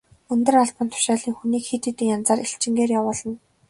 Өндөр албан тушаалын хүнийг хэд хэдэн янзаар элчингээр явуулна.